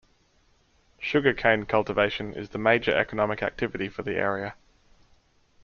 Sugar cane cultivation is the major economic activity for the area.